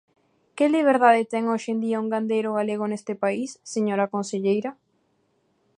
¿Que liberdade ten hoxe en día un gandeiro galego neste país, señora conselleira?